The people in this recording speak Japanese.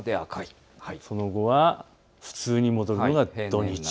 その後は普通に戻るのが土日。